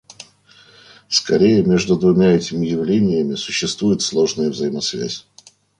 Скорее, между двумя этими явлениями существует сложная взаимозависимость.